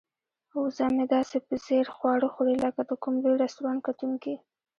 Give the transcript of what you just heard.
وزه مې داسې په ځیر خواړه خوري لکه د کوم لوی رستورانت کتونکی.